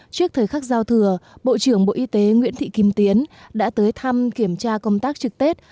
trước thời khắc giao thừa bộ trưởng bộ y tế nguyễn thị kim tiến đã tới thăm kiểm tra công tác trực tết